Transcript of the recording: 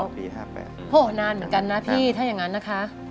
พ่นนานเหมือนกันไหม